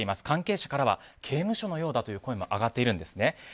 関係者からは刑務所のようだという声も上がっているんですね。